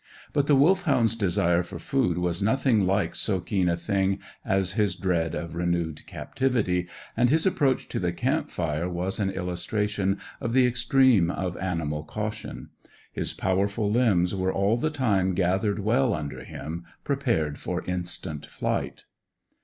But the Wolfhound's desire for food was nothing like so keen a thing as his dread of renewed captivity, and his approach to the camp fire was an illustration of the extreme of animal caution. His powerful limbs were all the time gathered well under him, prepared for instant flight.